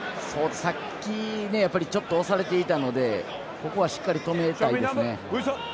さっきちょっと押されていたのでここは、しっかり止めたいですね。